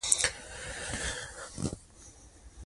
اساسي دلیل یې فرهنګي او اجتماعي مشترکات دي.